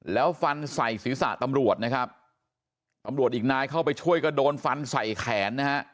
แล้วฟันใส่ศีรษะตำรวจนะครับตำรวจอีกนายเข้าไปช่วยก็โดนฟันใส่แขนนะฮะ